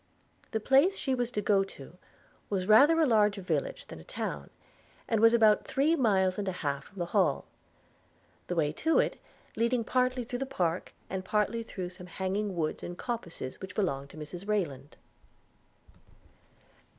The place she was to go to was rather a large village than a town, and was about three miles and a half from the Hall; the way to it leading partly through the park, and partly through some hanging woods and coppices which belonged to Mrs Rayland.